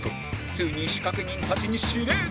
ついに仕掛人たちに指令が！